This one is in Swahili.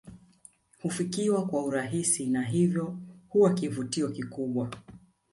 Hufikiwa kwa urahisi na hivyo huwa kivutio kikubwa